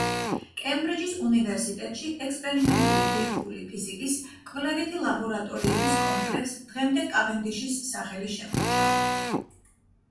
კემბრიჯის უნივერსიტეტში ექსპერიმენტული ბირთვული ფიზიკის კვლევითი ლაბორატორიების კომპლექსს დღემდე კავენდიშის სახელი შემორჩა.